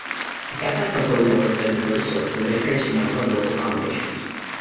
He kept on composing works of diverse sorts for different instrumental and vocal combinations.